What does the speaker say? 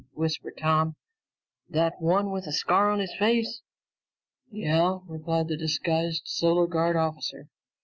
whispered Tom. "The one with the scar on his face?" "Yeah," replied the disguised Solar Guard officer.